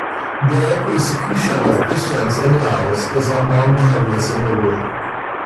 Their persecution of Christians in Laos is among the heaviest in the world.